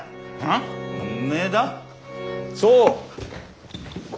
そう。